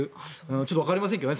ちょっとわかりませんけどね。